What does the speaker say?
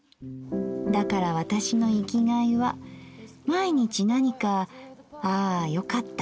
だから私の生きがいは毎日何か『ああよかった』